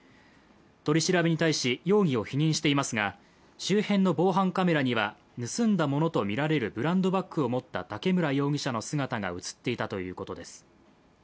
取り調べに対し容疑を否認していますが、周辺の防犯カメラには盗んだものとみられるブランドバッグを持った竹村容疑者の姿が映っていたということです。